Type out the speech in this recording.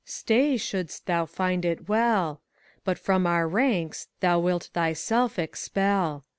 Stay, shouldst tliou find it well; But from our ranks thou wilt thyself expel.